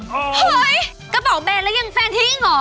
เฮ้ยกระเป๋าแบนแล้วยังแฟนทิ้งเหรอ